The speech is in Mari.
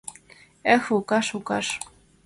— Эх, Лукаш, Лукаш!